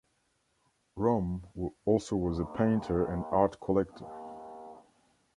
Rome also was a painter and art collector.